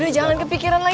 udah jangan kepikiran lagi